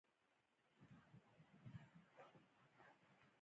دا په متن کې کټ مټ راغلې.